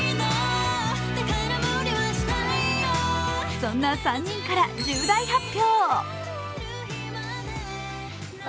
そんな３人から重大発表。